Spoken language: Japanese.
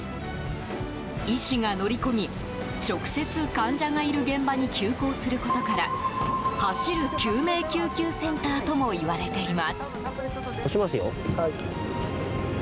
医師が乗り込み直接、患者がいる現場に急行することから走る救命救急センターともいわれています。